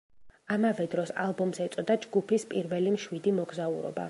ამავე დროს, ალბომს ეწოდა „ჯგუფის პირველი მშვიდი მოგზაურობა“.